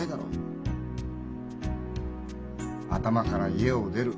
頭から「家を出る。